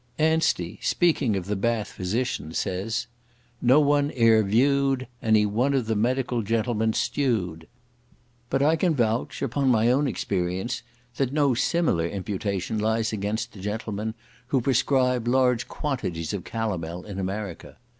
Anstey, speaking of the Bath physicians, says, "No one e'er viewed Any one of the medical gentlemen stewed." But I can vouch, upon my own experience, that no similar imputation lies against the gentlemen who prescribe large quantities of calomel in America.